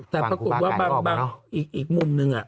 แต่ปรากฏว่าบางอีกมุมนึง